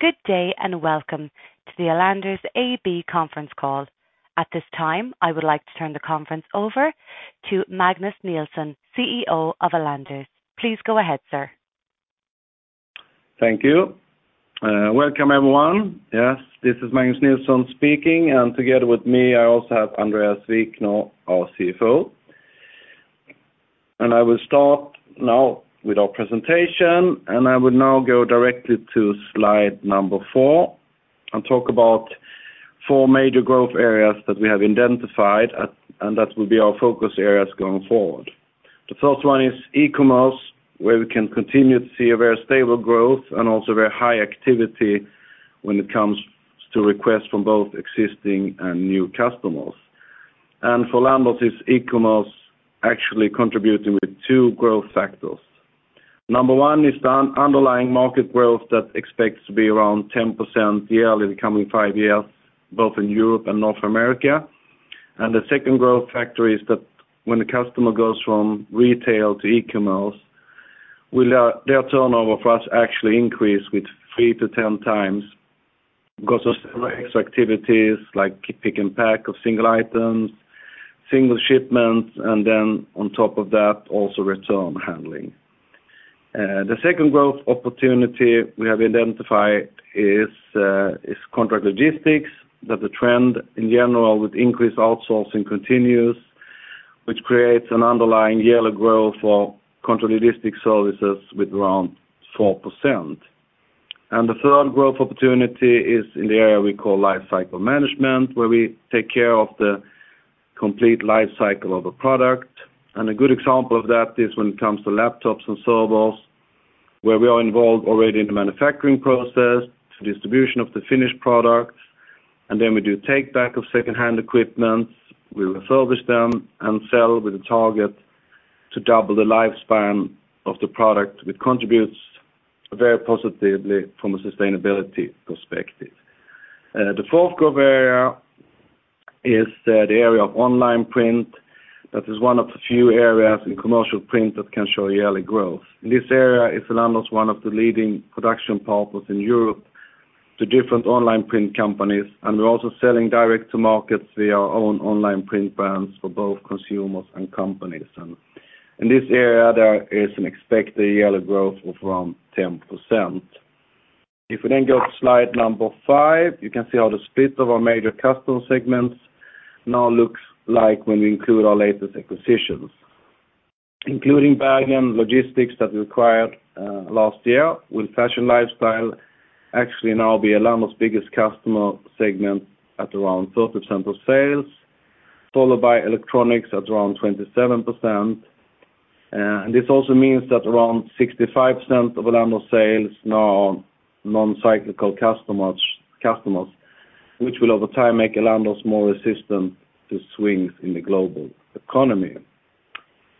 Good day and welcome to the Elanders AB conference call. At this time, I would like to turn the conference over to Magnus Nilsson, CEO of Elanders. Please go ahead, sir. Thank you. Welcome, everyone. Yes, this is Magnus Nilsson speaking, and together with me, I also have Andréas Wikner, our CFO. I will start now with our presentation, and I will now go directly to slide number four and talk about four major growth areas that we have identified at, and that will be our focus areas going forward. The first one is e-commerce, where we can continue to see a very stable growth and also very high activity when it comes to requests from both existing and new customers. For Elanders is e-commerce actually contributing with two growth factors. Number one is the underlying market growth that expects to be around 10% yearly in the coming five years, both in Europe and North America. The second growth factor is that when the customer goes from retail to e-commerce, will their turnover for us actually increase with 3-10 times because of activities like pick and pack of single items, single shipments, and then on top of that, also return handling. The second growth opportunity we have identified is contract logistics. That the trend, in general, with increased outsourcing continues, which creates an underlying yearly growth for contract logistics services with around 4%. The third growth opportunity is in the area we call life cycle management, where we take care of the complete life cycle of a product. A good example of that is when it comes to laptops and servers, where we are involved already in the manufacturing process, to distribution of the finished product, and then we do take-back of second-hand equipment. We will service them and sell with the target to double the lifespan of the product. It contributes very positively from a sustainability perspective. The fourth growth area is the area of online print. That is one of the few areas in commercial print that can show yearly growth. In this area is Elanders one of the leading production partners in Europe to different online print companies, and we're also selling direct to markets via our own online print brands for both consumers and companies. In this area, there is an expected yearly growth of around 10%. If we then go to slide number five, you can see how the split of our major customer segments now looks like when we include our latest acquisitions. Including Bergen Logistics that we acquired last year with Fashion & Lifestyle, actually now be Elanders' biggest customer segment at around 30% of sales, followed by electronics at around 27%. This also means that around 65% of Elanders sales now are non-cyclical customers, which will, over time, make Elanders more resistant to swings in the global economy.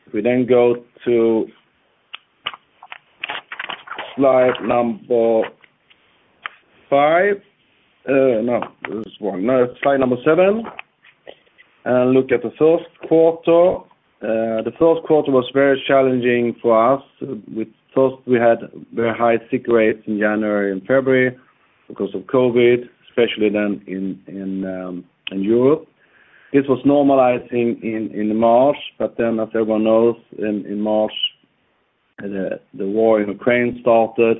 If we then go to slide number seven and look at the first quarter. The first quarter was very challenging for us. First, we had very high sick rates in January and February because of COVID, especially then in Europe. This was normalizing in March, but then as everyone knows, in March, the war in Ukraine started,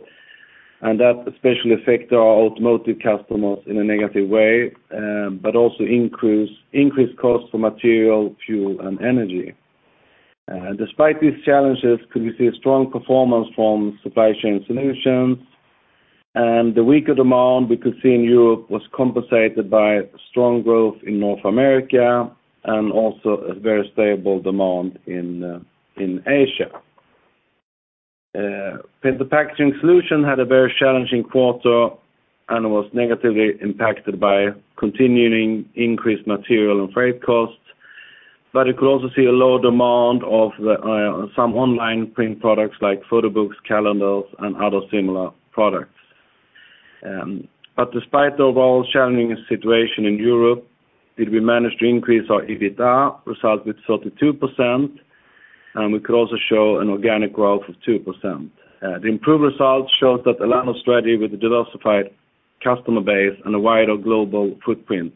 and that especially affected our automotive customers in a negative way, but also increased costs for material, fuel, and energy. Despite these challenges, we could see a strong performance from Supply Chain Solutions, and the weaker demand we could see in Europe was compensated by strong growth in North America and also a very stable demand in Asia. The Packaging Solutions had a very challenging quarter and was negatively impacted by continuing increased material and freight costs. You could also see low demand for some online print products like photo books, calendars, and other similar products. Despite the overall challenging situation in Europe, did we manage to increase our EBITDA result with 32%, and we could also show an organic growth of 2%. The improved results shows that Elanders strategy with a diversified customer base and a wider global footprint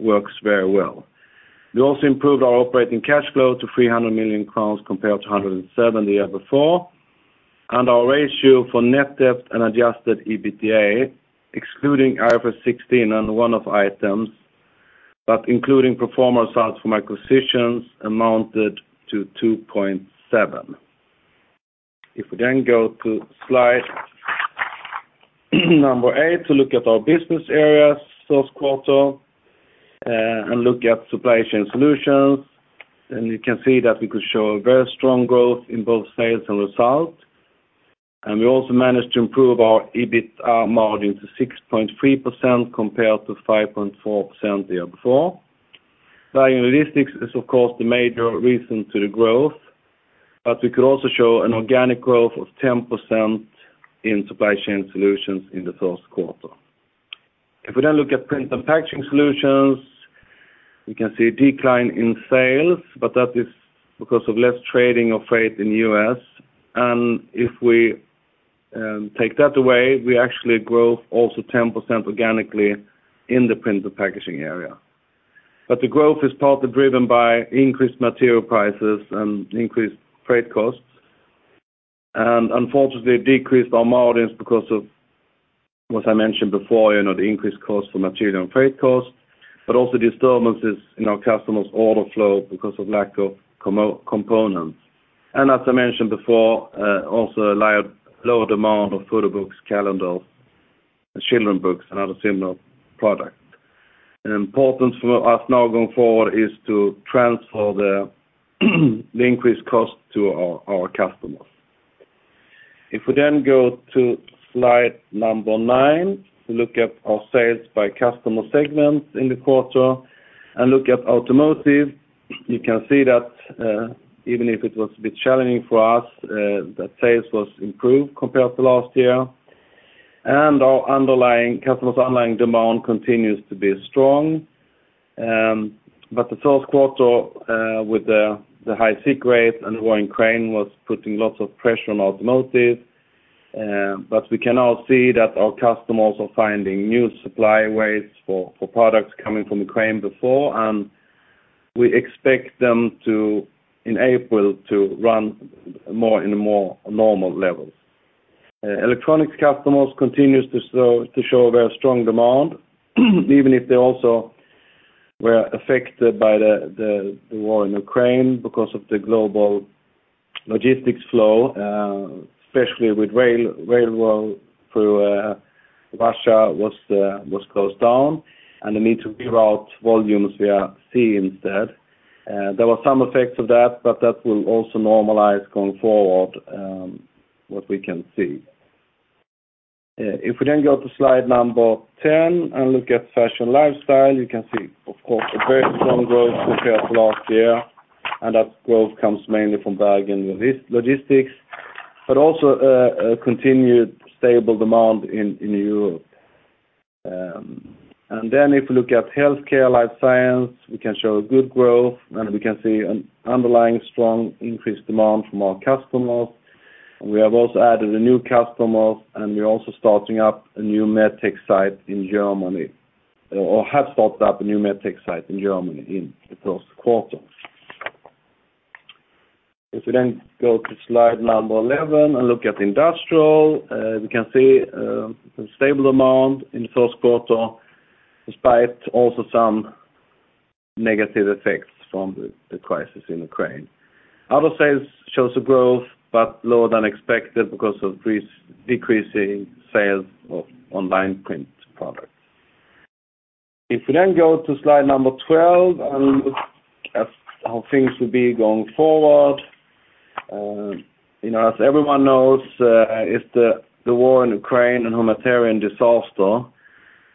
works very well. We also improved our operating cash flow to 300 million crowns compared to 107 million the year before. Our ratio for net debt and adjusted EBITDA, excluding IFRS 16 and one-off items, but including pro forma results from acquisitions, amounted to 2.7. If we then go to slide number eight, to look at our business areas first quarter, and look at Supply Chain Solutions, and you can see that we could show a very strong growth in both sales and results. We also managed to improve our EBITDA margin to 6.3% compared to 5.4% the year before. Bergen Logistics is, of course, the major reason for the growth, but we could also show an organic growth of 10% in Supply Chain Solutions in the first quarter. If we then look at Print & Packaging Solutions, we can see a decline in sales, but that is because of less trading of freight in U.S. If we take that away, we actually grow also 10% organically in the print and packaging area. The growth is partly driven by increased material prices and increased freight costs, and unfortunately decreased our margins because of what I mentioned before, you know, the increased cost for material and freight costs, but also disturbances in our customers' order flow because of lack of components. As I mentioned before, also lower demand of photo books, calendars, children books, and other similar products. Important for us now going forward is to transfer the increased cost to our customers. If we then go to slide number nine, to look at our sales by customer segments in the quarter, and look at automotive, you can see that, even if it was a bit challenging for us, that sales was improved compared to last year. Our customers underlying demand continues to be strong. The first quarter, with the high sick rate and the war in Ukraine was putting lots of pressure on automotive. We can now see that our customers are finding new supply ways for products coming from Ukraine before, and we expect them, in April, to run in more normal levels. Electronics customers continues to show a very strong demand, even if they also were affected by the war in Ukraine because of the global logistics flow, especially with railroad through Russia was closed down, and the need to reroute volumes via sea instead. There were some effects of that, but that will also normalize going forward, what we can see. If we then go to slide number 10 and look at fashion lifestyle, you can see, of course, a very strong growth compared to last year, and that growth comes mainly from Bergen Logistics, but also a continued stable demand in Europe. If you look at healthcare life science, we can show good growth, and we can see an underlying strong increased demand from our customers. We have also added a new customers, and we're also starting up a new med tech site in Germany or have started up a new med tech site in Germany in the first quarter. If we then go to slide number 11 and look at industrial, we can see some stable demand in the first quarter, despite also some negative effects from the crisis in Ukraine. Other sales shows a growth, but lower than expected because of these decreasing sales of online print products. If we then go to slide number 12 and look at how things will be going forward. You know, as everyone knows, the war in Ukraine and humanitarian disaster,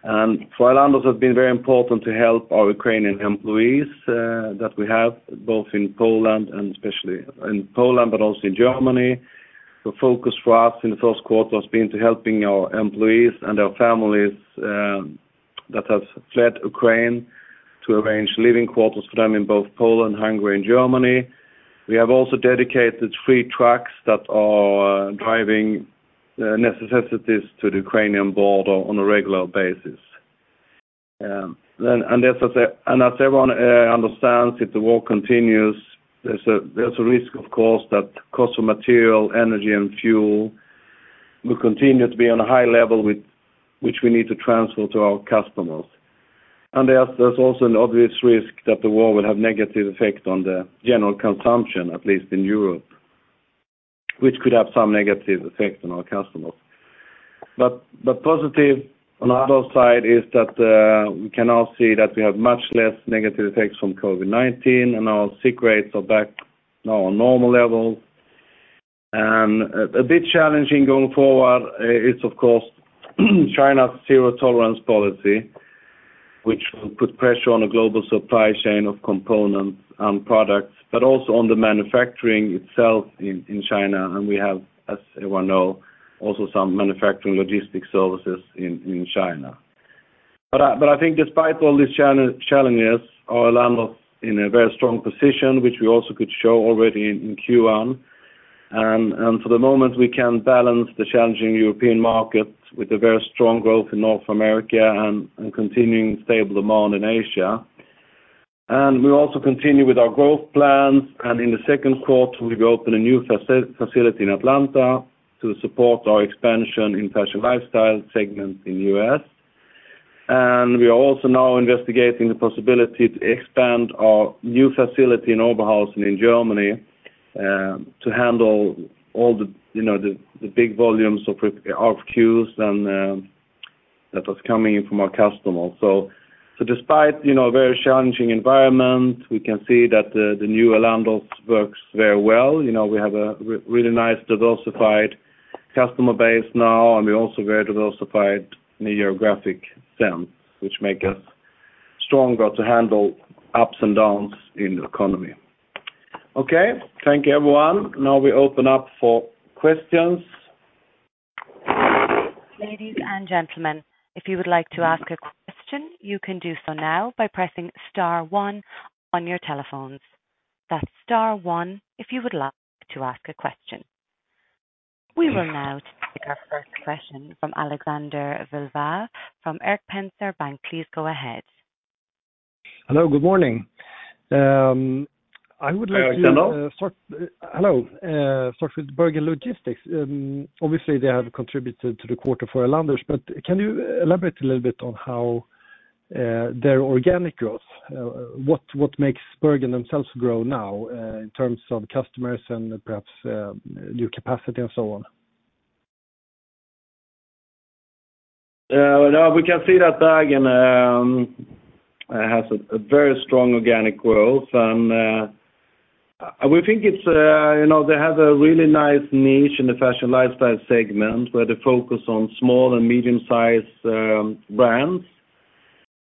and for Elanders have been very important to help our Ukrainian employees that we have both in Poland and especially in Poland, but also in Germany. The focus for us in the first quarter has been to helping our employees and their families that have fled Ukraine to arrange living quarters for them in both Poland, Hungary, and Germany. We have also dedicated three trucks that are driving necessities to the Ukrainian border on a regular basis As I say, as everyone understands, if the war continues, there's a risk, of course, that cost of material, energy, and fuel will continue to be on a high level which we need to transfer to our customers. There's also an obvious risk that the war will have negative effect on the general consumption, at least in Europe, which could have some negative effect on our customers. Positive on Elanders side is that we can now see that we have much less negative effects from COVID-19, and our sick rates are back now on normal levels. A big challenge going forward is, of course, China's zero-tolerance policy, which will put pressure on a global supply chain of components and products, but also on the manufacturing itself in China. We have, as everyone know, also some manufacturing logistics services in China. I think despite all these challenges, are Elanders in a very strong position, which we also could show already in Q1. For the moment, we can balance the challenging European market with a very strong growth in North America and continuing stable demand in Asia. We also continue with our growth plans, and in the second quarter, we will open a new facility in Atlanta to support our expansion in fashion lifestyle segment in U.S. We are also now investigating the possibility to expand our new facility in Oberhausen in Germany, to handle all the you know the big volumes of RFQs and that was coming in from our customers. Despite, you know, a very challenging environment, we can see that the new Elanders works very well. You know, we have a really nice diversified customer base now, and we're also very diversified in a geographic sense, which make us stronger to handle ups and downs in the economy. Okay, thank you everyone. Now we open up for questions. Ladies and gentlemen, if you would like to ask a question, you can do so now by pressing star one on your telephones. That's star one, if you would like to ask a question. We will now take our first question from Alexander Vilval from Erik Penser Bank. Please go ahead. Hello, good morning. I would like to- Hello. Hello. Start with Bergen Logistics. Obviously, they have contributed to the quarter for Elanders, but can you elaborate a little bit on how their organic growth, what makes Bergen themselves grow now, in terms of customers and perhaps new capacity and so on? We can see that Bergen has a very strong organic growth and we think it's you know they have a really nice niche in the fashion lifestyle segment where they focus on small and medium-sized brands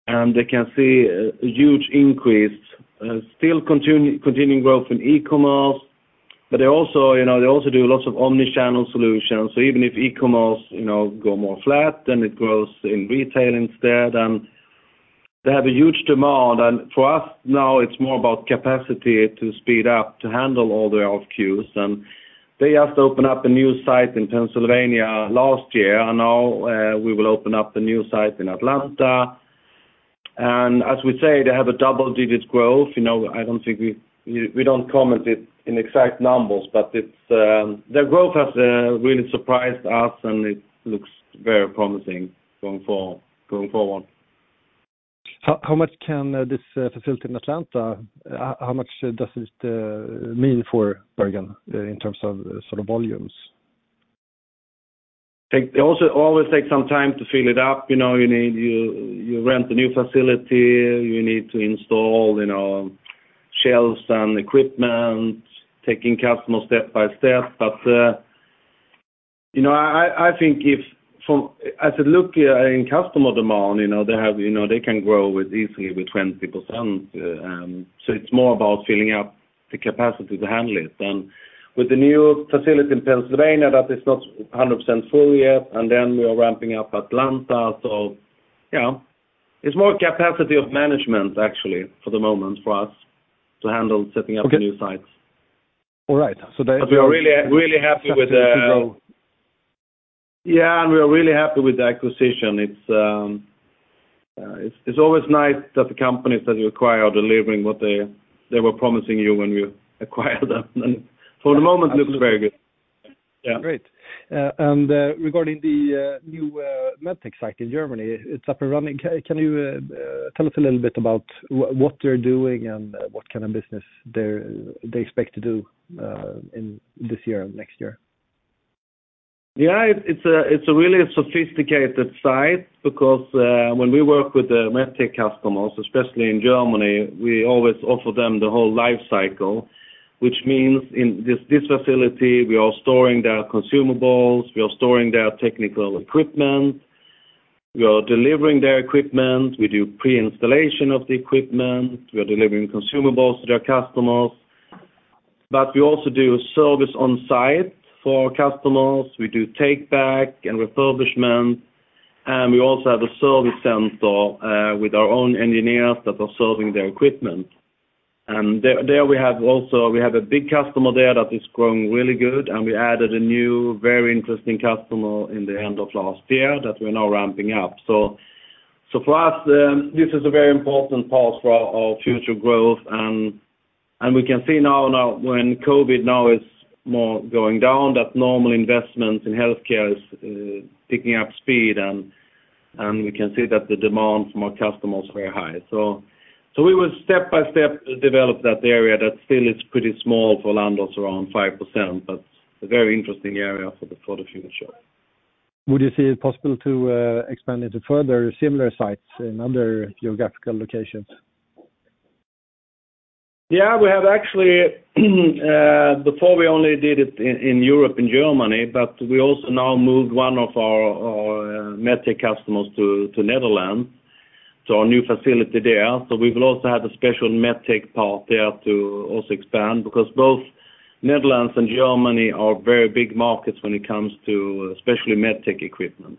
and they can see a huge increase still continuing growth in e-commerce. They also you know they also do lots of omni-channel solutions. Even if e-commerce you know go more flat then it grows in retail instead and they have a huge demand. For us now it's more about capacity to speed up to handle all the RFQs. They have to open up a new site in Pennsylvania last year. Now we will open up a new site in Atlanta. As we say they have a double-digit growth. You know, I don't think we don't comment it in exact numbers, but it's their growth has really surprised us, and it looks very promising going forward. How much can this fulfillment in Atlanta? How much does it mean for Bergen in terms of sort of volumes? It also always takes some time to fill it up. You know, you need you rent a new facility, you need to install, you know, shelves and equipment, taking customer step by step. You know, I think as you look at customer demand, you know, they can grow easily with 20%. It's more about filling up the capacity to handle it. With the new facility in Pennsylvania, that is not 100% full yet, and then we are ramping up Atlanta. You know, it's more capacity management actually for the moment for us to handle setting up the new sites. All right. We are really happy with the acquisition. It's always nice that the companies that you acquire are delivering what they were promising you when you acquire them. For the moment, it looks very good. Great. Regarding the new MedTech site in Germany, it's up and running. Can you tell us a little bit about what they're doing and what kind of business they expect to do in this year and next year? Yeah. It's a really sophisticated site because when we work with the MedTech customers, especially in Germany, we always offer them the whole life cycle, which means in this facility, we are storing their consumables, we are storing their technical equipment, we are delivering their equipment, we do pre-installation of the equipment, we are delivering consumables to their customers, but we also do service on site for our customers. We do take back and refurbishment, and we also have a service center with our own engineers that are serving their equipment. There we have also a big customer there that is growing really good, and we added a new, very interesting customer in the end of last year that we're now ramping up. For us, this is a very important part for our future growth. We can see now when COVID is more going down that normal investments in healthcare is picking up speed and we can see that the demand from our customers is very high. We will step by step develop that area that still is pretty small for Elanders, around 5%, but a very interesting area for the future. Would you see it possible to expand into further similar sites in other geographical locations? Yeah. We have actually, before we only did it in Europe and Germany, but we also now moved one of our MedTech customers to Netherlands, to our new facility there. We will also have a special MedTech part there to also expand because both Netherlands and Germany are very big markets when it comes to especially MedTech equipment.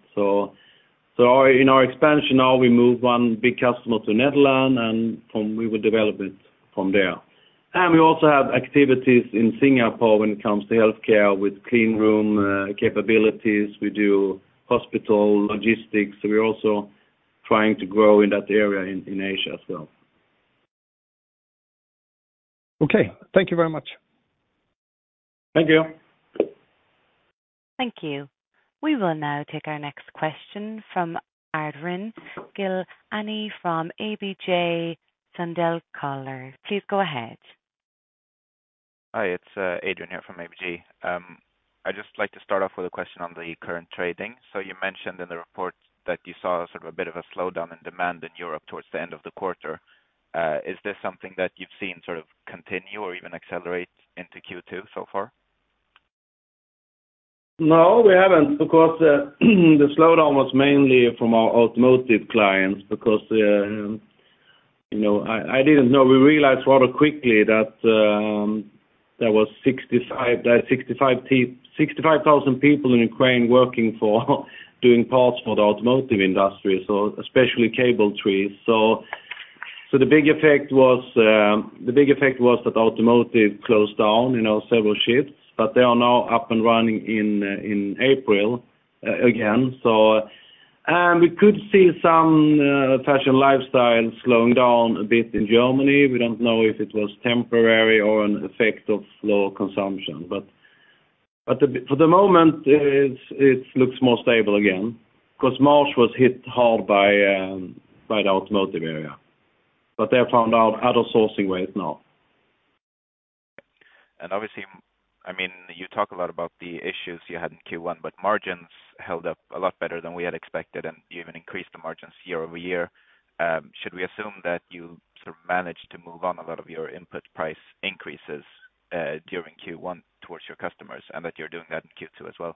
In our expansion now, we move one big customer to Netherlands, and we will develop it from there. We also have activities in Singapore when it comes to healthcare with clean room capabilities. We do hospital logistics. We're also trying to grow in that area in Asia as well. Okay. Thank you very much. Thank you. Thank you. We will now take our next question from Adrian Gilani from ABG Sundal Collier. Please go ahead. Hi, it's Adrian here from ABG. I'd just like to start off with a question on the current trading. You mentioned in the report that you saw sort of a bit of a slowdown in demand in Europe towards the end of the quarter. Is this something that you've seen sort of continue or even accelerate into Q2 so far? No, we haven't because the slowdown was mainly from our automotive clients because we realized rather quickly that there are 65,000 people in Ukraine working for doing parts for the automotive industry, so especially cable trees. So the big effect was that automotive closed down, you know, several shifts, but they are now up and running in April again. We could see some fashion lifestyle slowing down a bit in Germany. We don't know if it was temporary or an effect of low consumption. For the moment, it looks more stable again, 'cause March was hit hard by the automotive area. They have found out other sourcing ways now. Obviously, I mean, you talk a lot about the issues you had in Q1, but margins held up a lot better than we had expected, and you even increased the margins year-over-year. Should we assume that you sort of managed to move on a lot of your input price increases during Q1 towards your customers and that you're doing that in Q2 as well?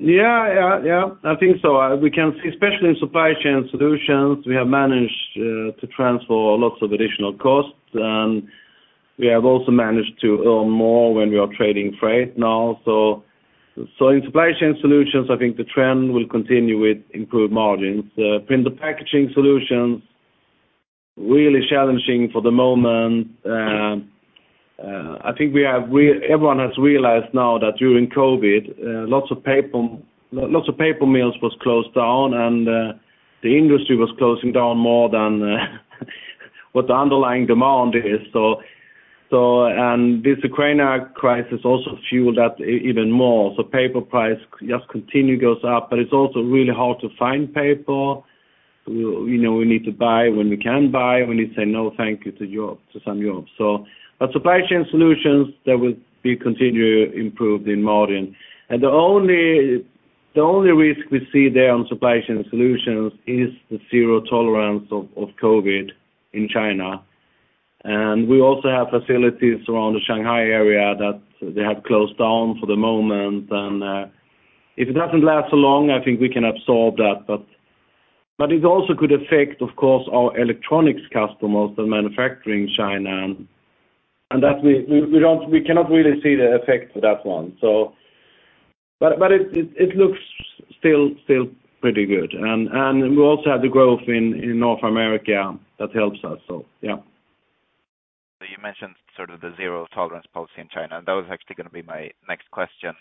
Yeah. I think so. We can, especially in Supply Chain Solutions, we have managed to transfer lots of additional costs, and we have also managed to earn more when we are trading freight now. In Supply Chain Solutions, I think the trend will continue with improved margins. In the Packaging Solutions, really challenging for the moment. I think everyone has realized now that during COVID, lots of paper mills was closed down, and the industry was closing down more than what the underlying demand is. And this Ukraine crisis also fueled that even more. Paper price just continues to go up, but it's also really hard to find paper. We know we need to buy when we can buy. We need to say, "No, thank you," to Europe, to some Europe. Supply Chain Solutions, they will continue to be improved in margins. The only risk we see there on Supply Chain Solutions is the zero tolerance of COVID in China. We also have facilities around the Shanghai area that they have closed down for the moment. If it doesn't last so long, I think we can absorb that. It also could affect, of course, our electronics customers that manufacture in China, and that we cannot really see the effect of that one. It looks still pretty good. We also have the growth in North America that helps us, so yeah. You mentioned sort of the zero-tolerance policy in China, and that was actually gonna be my next question.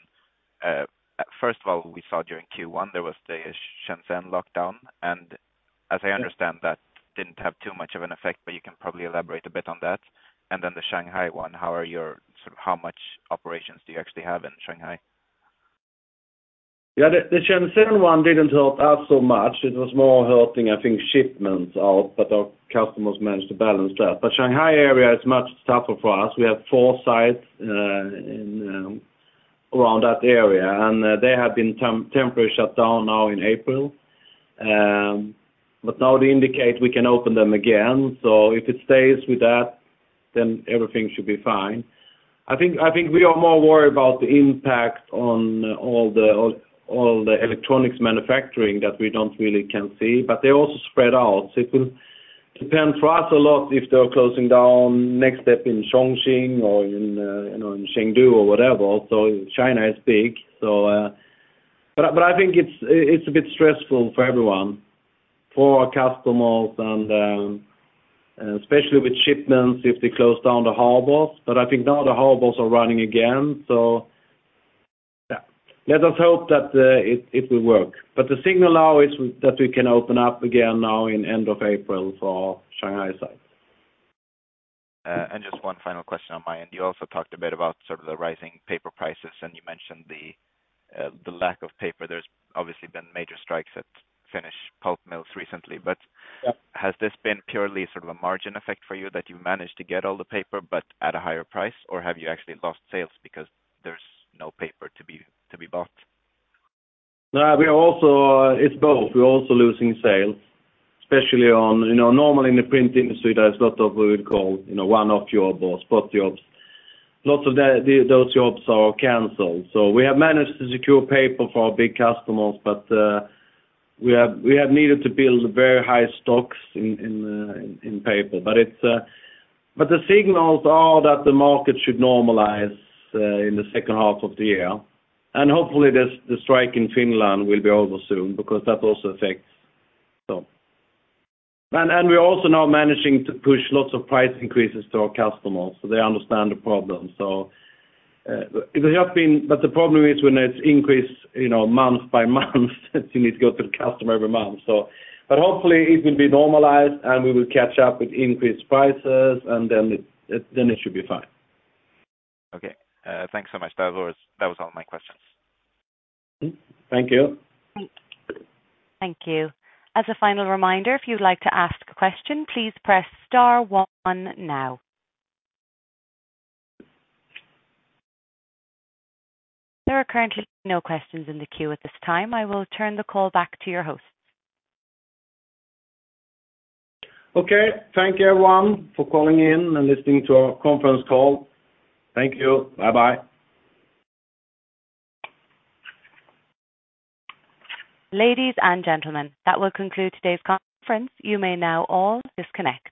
First of all, we saw during Q1, there was the Shenzhen lockdown, and as I understand, that didn't have too much of an effect, but you can probably elaborate a bit on that. The Shanghai one, sort of how much operations do you actually have in Shanghai? Yeah. The Shenzhen one didn't hurt us so much. It was more hurting, I think, shipments out, but our customers managed to balance that. Shanghai area is much tougher for us. We have four sites in and around that area, and they have been temporarily shut down now in April. Now they indicate we can open them again. If it stays with that, everything should be fine. I think we are more worried about the impact on all the electronics manufacturing that we can't really see, but they're also spread out. It will depend for us a lot if they're closing down next step in Chongqing or in you know in Chengdu or whatever. Also, China is big. I think it's a bit stressful for everyone, for our customers and, especially with shipments, if they close down the harbors. I think now the harbors are running again, so yeah. Let us hope that it will work. The signal now is that we can open up again now at the end of April for Shanghai sites. Just one final question on my end. You also talked a bit about sort of the rising paper prices, and you mentioned the lack of paper. There's obviously been major strikes at Finnish pulp mills recently. Yep. Has this been purely sort of a margin effect for you, that you've managed to get all the paper but at a higher price? Or have you actually lost sales because there's no paper to be bought? No. We are also. It's both. We're also losing sales, especially on, you know, normally in the print industry, there's a lot of what we would call, you know, one-off jobs or spot jobs. Lots of those jobs are canceled. We have managed to secure paper for our big customers, but we have needed to build very high stocks in paper. The signals are that the market should normalize in the second half of the year. Hopefully this, the strike in Finland will be over soon because that also affects. We're also now managing to push lots of price increases to our customers, so they understand the problem. They have been... The problem is when it's increased, you know, month by month, you need to go to the customer every month, so. Hopefully it will be normalized, and we will catch up with increased prices, and then it should be fine. Okay. Thanks so much. That was all my questions. Thank you. Thank you. As a final reminder, if you'd like to ask a question, please press star one now. There are currently no questions in the queue at this time. I will turn the call back to your host. Okay. Thank you, everyone, for calling in and listening to our conference call. Thank you. Bye-bye. Ladies and gentlemen, that will conclude today's conference. You may now all disconnect.